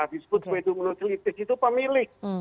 disebut pedomenosilitis itu pemilik